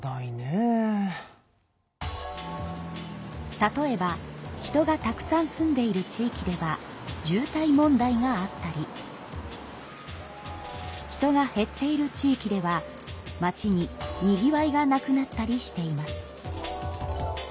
例えば人がたくさん住んでいる地域では渋滞問題があったり人が減っている地域では町ににぎわいがなくなったりしています。